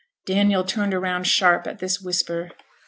Daniel turned round sharp at this whisper.